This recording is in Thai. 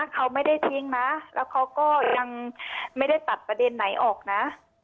เขาไม่ได้ทิ้งนะแล้วเขาก็ยังไม่ได้ตัดประเด็นไหนออกนะ